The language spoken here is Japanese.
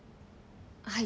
はい。